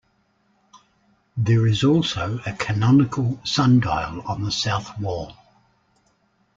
There is also a canonical sundial on the south wall.